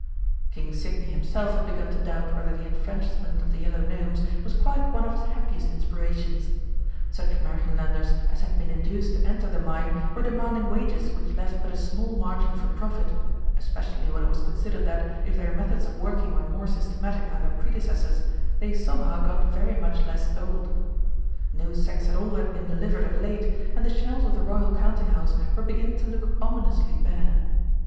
King Sidney himself had begun to doubt whether the enfranchisement of the Yellow Gnomes was quite one of his happiest inspirations. Such Märchenlanders as had been induced to enter the mine were demanding wages which left but a small margin for profit, especially when it was considered that, if their methods of working were more systematic than their predecessors', they somehow got very much less gold. No sacks at all had been delivered of late, and the shelves of the Royal Counting house were beginning to look ominously bare.